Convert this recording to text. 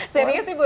serius nih bu